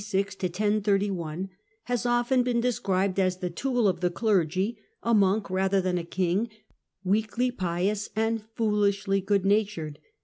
Robert " the Pious " has often been described as the tool of the clergy, a monk rather than a king, weakly pious and foolishly good natured.